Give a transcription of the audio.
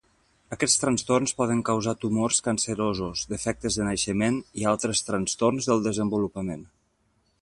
Aquests trastorns poden causar tumors cancerosos, defectes de naixement i altres trastorns del desenvolupament.